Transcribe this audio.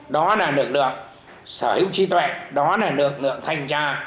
đó là lực lượng sở hữu trí tuệ đó là lực lượng thanh tra